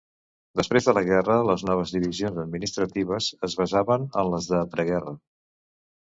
Després de la guerra, les noves divisions administratives es basaven en les de preguerra.